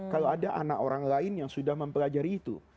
kalau ada anak orang lain yang sudah mempelajari itu